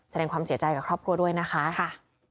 แสดงความเสียใจกับครอบครัวด้วยนะคะ